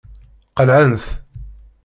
Qelɛent.